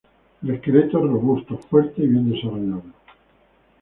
El esqueleto es robusto, fuerte y bien desarrollado.